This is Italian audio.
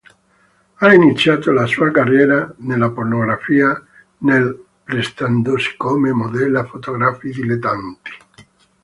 Ha iniziato la sua carriera nella pornografia nel prestandosi come modella fotografi dilettanti.